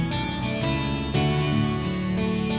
cita an dulu ya